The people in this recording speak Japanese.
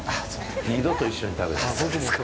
二度と一緒に食べない。